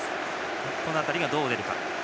この辺り、どう出るか。